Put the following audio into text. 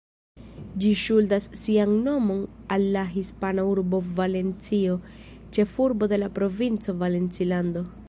Ĝi ŝuldas sian nomon al la hispana urbo Valencio, ĉefurbo de la provinco Valencilando.